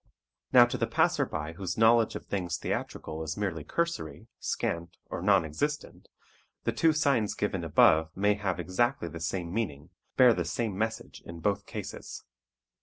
Now to the passerby whose knowledge of things theatrical is merely cursory, scant or non existent, the two signs given above may have exactly the same meaning, bear the same message in both cases.